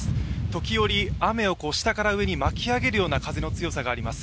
時折雨を、下から上に巻き上げるような風の強さがあります。